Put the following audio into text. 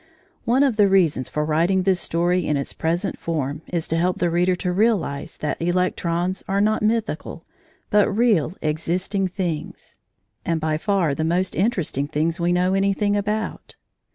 One of the reasons for writing this story in its present form is to help the reader to realise that electrons are not mythical, but real existing things, and by far the most interesting things we know anything about.